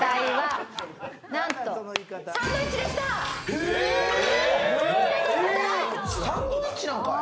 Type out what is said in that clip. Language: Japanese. へえ、サンドイッチなんかい